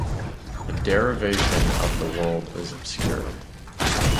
The derivation of the word is obscure.